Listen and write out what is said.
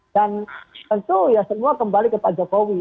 dan tentu ya semua kembali kepada pak jokowi